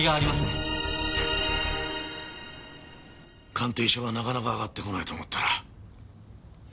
鑑定書がなかなか上がってこないと思ったら。